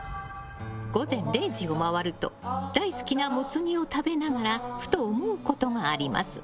午前０時を回ると大好きなモツ煮を食べながらふと思うことがあります。